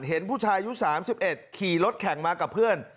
เห็นผู้ชายอายุ๓๑ขี่รถแข่งมากับเพื่อน